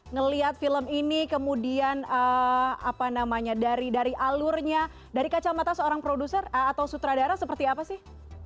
ngelihat film ini kemudian apa namanya dari alurnya dari kacamata seorang produser atau sutradara seperti apa sih